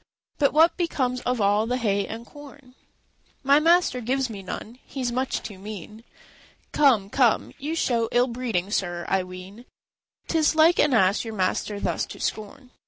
B. "But what becomes of all the hay and corn?" R. "My master gives me none; he's much too mean." B. "Come, come, you show ill breeding, sir, I ween; 'Tis like an ass your master thus to scorn."